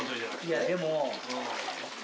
いやでも。